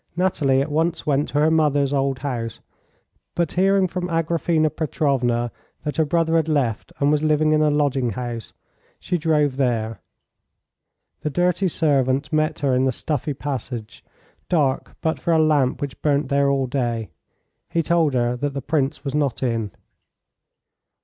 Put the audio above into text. Nathalie at once went to her mother's old house, but hearing from Agraphena Petrovna that her brother had left, and was living in a lodging house, she drove there. The dirty servant met her in the stuffy passage, dark but for a lamp which burnt there all day. He told her that the Prince was not in.